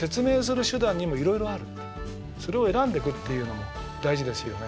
つまりそれを選んでくっていうのも大事ですよね。